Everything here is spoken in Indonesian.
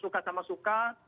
suka sama suka